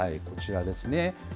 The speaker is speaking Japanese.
こちらですね。